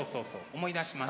思い出しました。